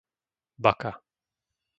Baka